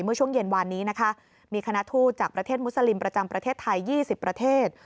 เมื่อช่วงเย็นวานนี้นะคะมีคณะทูตจากประเทศมุสลิมประจำประเทศไทย๒๐ประเทศ